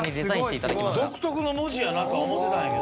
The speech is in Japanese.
独特の文字やなとは思ってたんやけどね。